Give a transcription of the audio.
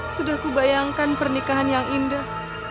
sudah kubayangkan pernikahan yang indah